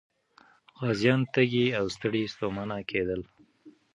غازيان تږي او ستړي ستومانه کېدل.